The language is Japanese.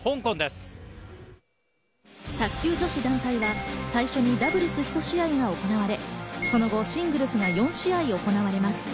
卓球女子団体は最初にダブルスひと試合が行われ、その後シングルスが４試合行われます。